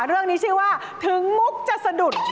เรื่องนี้ชื่อว่าถึงมุกจะสะดุด